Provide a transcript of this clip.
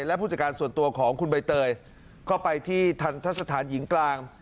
และผู้จัดการส่วนตัวของคุณใบเตยก็ไปที่ทันทะสถานหญิงกลาง